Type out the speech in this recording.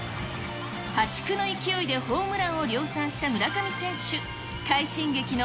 破竹の勢いでホームランを量産した村上選手。